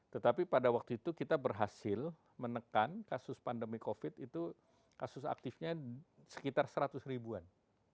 tetapi pada waktu itu kita berhasil menekan kasus pandemi covid itu kasus aktifnya sekitar seratus ribuan